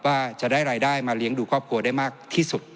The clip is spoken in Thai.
ว่าจะได้รายได้มาเลี้ยงดูครอบครัวได้มากที่สุด